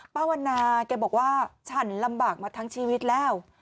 ป้าวันนาแกบอกว่าฉันลำบากมาทั้งชีวิตแล้ว